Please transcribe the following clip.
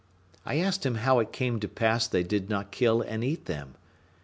I asked him how it came to pass they did not kill them and eat them.